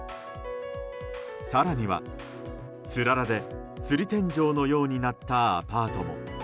更には、つららでつり天井のようになったアパートも。